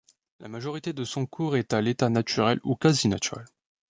La majorité de son cours est à l'état naturel ou quasi naturel.